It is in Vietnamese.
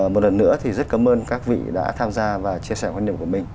một lần nữa thì rất cảm ơn các vị đã tham gia và chia sẻ quan điểm của mình